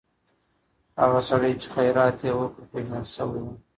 هغه سړی چې خیرات یې وکړ، پېژندل شوی و.